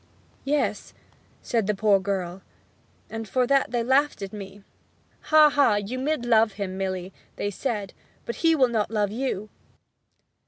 'Yes,' said the poor girl; 'and for that they laughed at me. "Ha ha, you mid love him, Milly," they said; "but he will not love you!"'